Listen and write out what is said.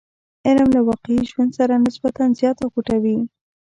علم له واقعي ژوند سره نسبتا زیات غوټه وي.